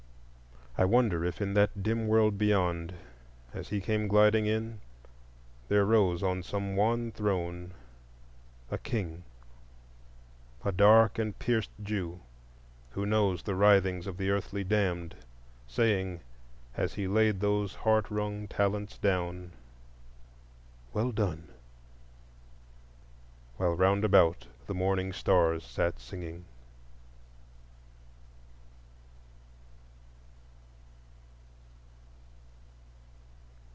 I wonder if in that dim world beyond, as he came gliding in, there rose on some wan throne a King,—a dark and pierced Jew, who knows the writhings of the earthly damned, saying, as he laid those heart wrung talents down, "Well done!" while round about the morning stars sat singing.